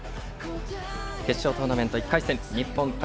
決勝トーナメント、１回戦日本対